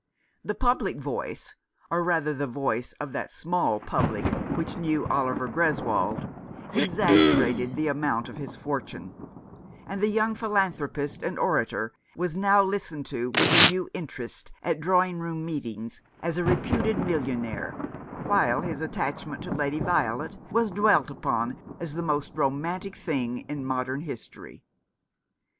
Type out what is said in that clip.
The public voice — or rather the voice of that small public which knew Oliver Greswold — exaggerated the amount of his fortune ; and the young philanthropist and orator was now listened to with a new interest at drawing room meetings, as a reputed millionaire, while his attach ment to Lady Violet was dwelt upon as the most romantic thing in modern history.